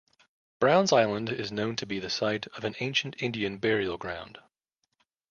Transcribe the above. Browns Island is known to be the site of an ancient Indian burial ground.